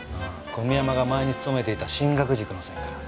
小宮山が前に勤めていた進学塾の線から。